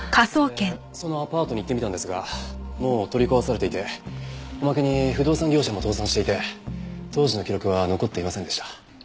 それでそのアパートに行ってみたんですがもう取り壊されていておまけに不動産業者も倒産していて当時の記録は残っていませんでした。